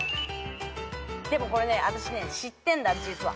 でもこれねあたし知ってんだ実は。